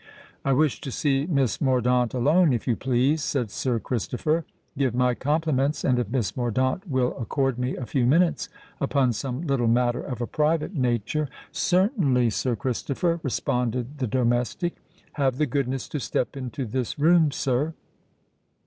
"I wish to see Miss Mordaunt alone, if you please," said Sir Christopher. "Give my compliments, and if Miss Mordaunt will accord me a few minutes—upon some little matter of a private nature——" "Certainly, Sir Christopher," responded the domestic. "Have the goodness to step into this room, sir."